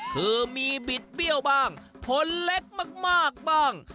คือมีบิดเบี้ยวบ้างผลเล็กมากบ้าง